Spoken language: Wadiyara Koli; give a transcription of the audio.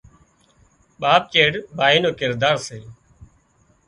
ٻاپ چيڙ ڀائي نو ڪردار سي